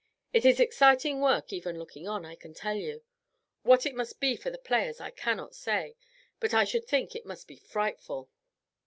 It is exciting work even looking on, I can tell you; what it must be for the players I cannot say, but I should think it must be frightful."